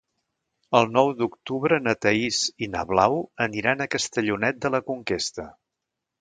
El nou d'octubre na Thaís i na Blau aniran a Castellonet de la Conquesta.